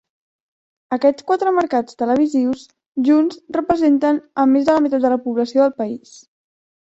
Aquests quatre mercats televisius junts representen a més de la meitat de la població del país.